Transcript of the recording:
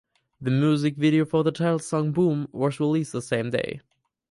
The music video for the title song "Boom" was released the same day.